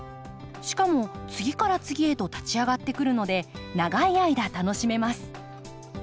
しかも次から次へと立ち上がってくるので長い間楽しめます。